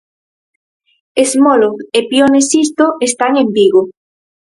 Smólov e Pione Sisto están en Vigo.